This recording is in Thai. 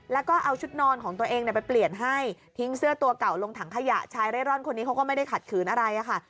แล้วก็เอาชุดนอนของตัวเองไปเปลี่ยนให้ทิ้งเสื้อตัวเก่าลงถังขยะชายเร่ร่อนคนนี้เขาก็ไม่ได้ขัดขืนอะไรค่ะ